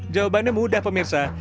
jawabannya mudah pemirsa